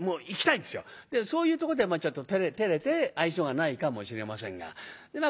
そういうとこでちょっと照れて愛想がないかもしれませんが。